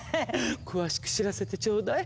詳しく知らせてちょうだい。